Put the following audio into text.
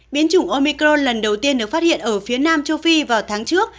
biến chủng omicro lần đầu tiên được phát hiện ở phía nam châu phi vào tháng trước